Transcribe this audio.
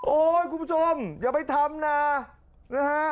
คุณผู้ชมอย่าไปทำนะนะฮะ